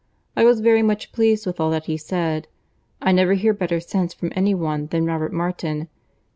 I was very much pleased with all that he said. I never hear better sense from any one than Robert Martin.